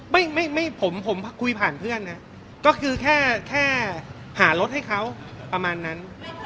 ไม่ไม่ผมผมคุยผ่านเพื่อนนะก็คือแค่แค่หารถให้เขาประมาณนั้น